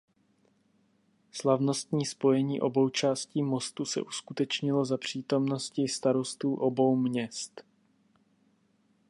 Slavnostní spojení obou částí mostu se uskutečnilo za přítomnosti starostů obou měst.